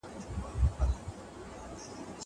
زه مخکي بوټونه پاک کړي وو.